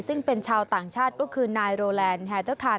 ซึ่งเป็นชาวต่างชาติก็คือนายโรแลนด์แฮเตอร์คาน